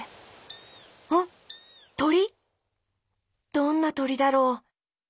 どんなとりだろう？